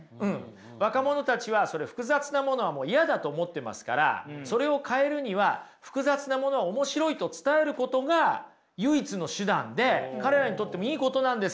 若者たちは複雑なものはもう嫌だと思ってますからそれを変えるには複雑なものは面白いと伝えることが唯一の手段で彼らにとってもいいことなんですよ。